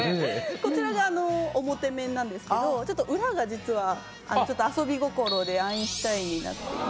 こちらが表面なんですけど裏が実はちょっと遊び心でアインシュタインになっていて。